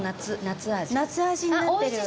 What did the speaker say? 夏味になってる。